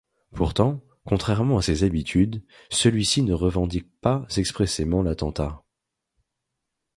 Pourtant, contrairement à ses habitudes, celui-ci ne revendique pas expressément l’attentat.